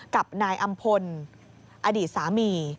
กับนายอำพลอดีตสามี